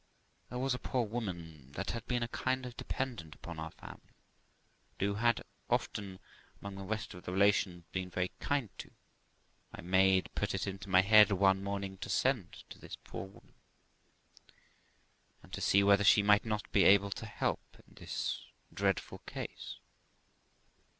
There was a poor woman that had been a kind of a dependent upon our family, and whom I had often, among tfie rest of the relations, been very kind to; my maid put it into my head one morning to send to this poor woman, and to see whether she might not be able to help in this dreadful case.